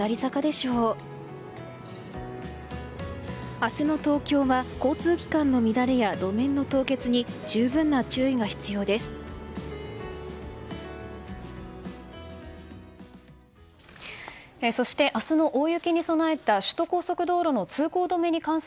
明日の東京は交通機関の乱れや路面の凍結に十分な注意が必要です。